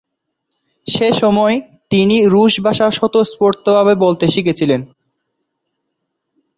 সেসময় তিনি রুশ ভাষা স্বতঃস্ফূর্তভাবে বলতে শিখেছিলেন।